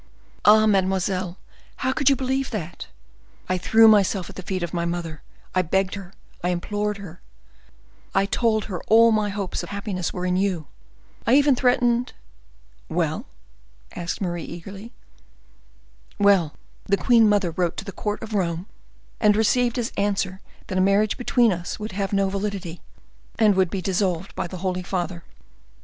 "Ah! mademoiselle, how could you believe that? I threw myself at the feet of my mother; I begged her, I implored her; I told her all my hopes of happiness were in you; I even threatened—" "Well?" asked Marie, eagerly. "Well, the queen mother wrote to the court of Rome, and received as answer, that a marriage between us would have no validity, and would be dissolved by the holy father.